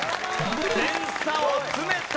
点差を詰めた！